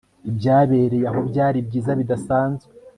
ibyabereye aho byari byiza bidasanzwe